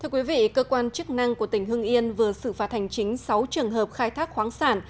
quan chức năng của tỉnh hương yên vừa xử phạt thành chính sáu trường hợp khai thác khoáng sản